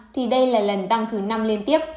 thì đây là lần tăng thứ năm liên tiếp